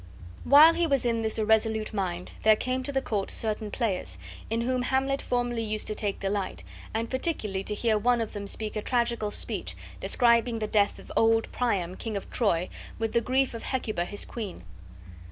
While he was in this irresolute mind there came to the court certain players, in whom Hamlet formerly used to take delight, and particularly to hear one of them speak a tragical speech, describing the death of old Priam, King of Troy, with the grief of Hecuba his queen.